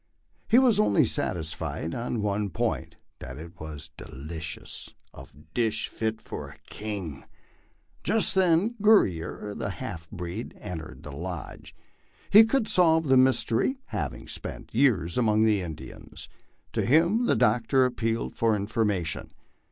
He was only satisfied on one point, that it was delicious a dish fit for a king. Just then Gnerrier, the half breed, entered the lodge, lie could solve the mys tery, having spent years among the Indians. To him the doctor appealed for information.